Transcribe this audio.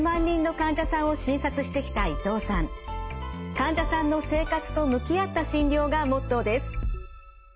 患者さんの生活と向き合った診療がモットーです。